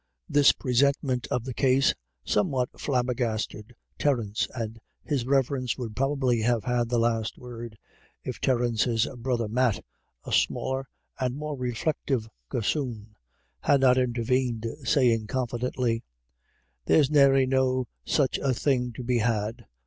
This presentment of the case somewhat flabber gasted Terence, and his Reverence would probably have had the last word, if Terence's brother Matt, a smaller and more reflective gossoon, had not intervened, saying confidently :" There's nary no such a thing to be had.